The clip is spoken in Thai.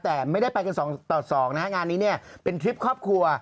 แต่ไม่ได้ไปกัน๒ต่อ๒นะฮะงานนี้เนี่ยเป็นทริปครอบครัว